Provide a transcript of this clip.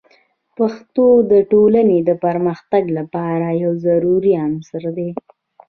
پښتو د ټولنې د پرمختګ لپاره یو ضروري عنصر دی.